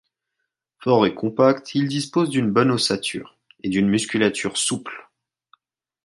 Fort et compact, il dispose d'une bonne ossature et d'une musculature souple.